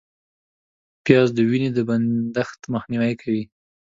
پیاز د وینې د بندښت مخنیوی کوي